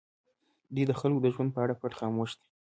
دوی د خلکو د ژوند په اړه پټ خاموش دي.